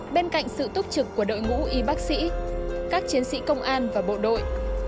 bên cạnh sự túc trực của đội ngũ y bác sĩ các chiến sĩ công an và bộ đội